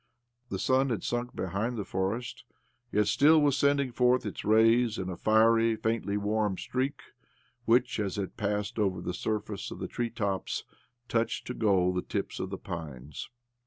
The sun had sunk behind the forest, yet still was sending forth rays in a fiery, faintly warm streak which, as it passed over the surface of the treetops, touched to gold the tips of the pines.